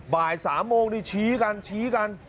บ่าย๓โมงนี่ชี้กันชี้กัน